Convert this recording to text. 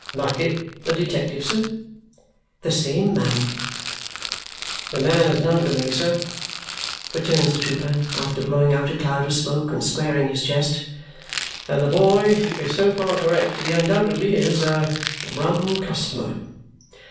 "Bucket the detective, sir?" "The same man." "The man is known to me, sir," returns the trooper after blowing out a cloud of smoke and squaring his chest, "and the boy is so far correct that he undoubtedly is a rum customer."